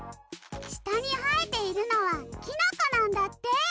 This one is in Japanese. したにはえているのはきのこなんだって。